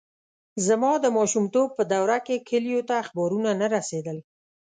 زما د ماشومتوب په دوره کې کلیو ته اخبارونه نه رسېدل.